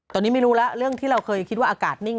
ตอนนี้ไม่รู้แล้วเรื่องที่เราเคยคิดว่าอากาศนิ่ง